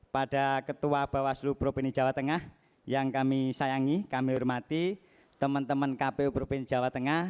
pada ketua bawaslu provinsi jawa tengah yang kami sayangi kami hormati teman teman kpu provinsi jawa tengah